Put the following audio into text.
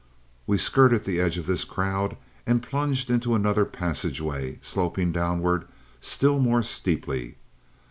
"We skirted the edge of this crowd and plunged into another passageway, sloping downward still more steeply.